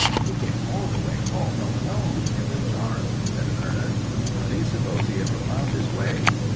"He came all the way home alone in the dark," said Ernest. "How do you s'pose he ever found his way?"